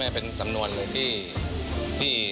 เป็นสำนวนหรือเป็นอะไรอย่างไร